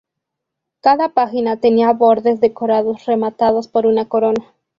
Cada página tenía bordes decorados rematados por una corona.